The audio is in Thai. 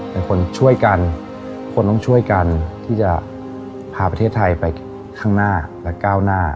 เป็นคนช่วยกันคนต้องช่วยกันที่จะพาประเทศไทยไปข้างหน้าและก้าวหน้า